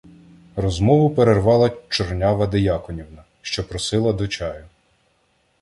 Розмову перервала чорнява дияконівна, що просила до чаю.